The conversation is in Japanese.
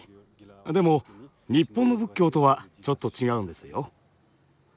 でも日本の仏教とはちょっと違うんですよ。